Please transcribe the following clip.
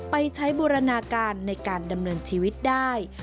ไปใช้บูรณาการในการดำเนินชีวิตได้